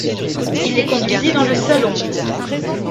Il les conduisit dans le salon.